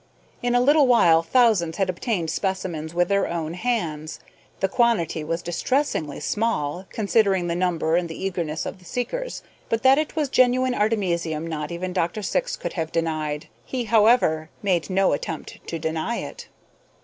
In a little while thousands had obtained specimens with their own hands. The quantity was distressingly small, considering the number and the eagerness of the seekers, but that it was genuine artemisium not even Dr. Syx could have denied. He, however, made no attempt to deny it.